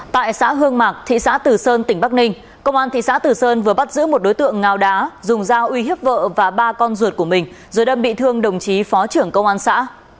tại xã hương mạc thị xã từ sơn tỉnh bắc ninh công an thị xã tử sơn vừa bắt giữ một đối tượng ngào đá dùng dao uy hiếp vợ và ba con ruột của mình rồi đâm bị thương đồng chí phó trưởng công an xã